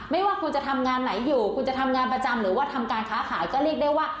ไม่ว่าคุณจะทำงานไหนอยู่คุณจะทำงานประจำหรือว่าทำการค้าขายก็เรียกได้ว่า